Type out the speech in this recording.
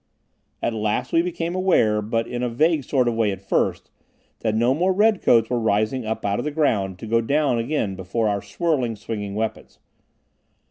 At last we became aware, in but a vague sort of way at first, that no more red coats were rising up out of the ground to go down again before our whirling, swinging weapons.